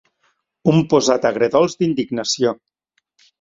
Un posat agre-dolç d'indignació.